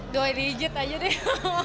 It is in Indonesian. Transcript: dua digit aja deh